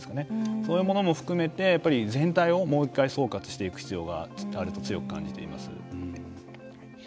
そういったものを含めて全体を、もう１回総括していく必要を強く感じています。